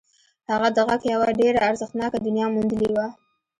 هغه د غږ یوه ډېره ارزښتناکه دنیا موندلې وه